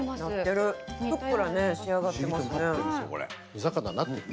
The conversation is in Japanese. ふっくら仕上がってる。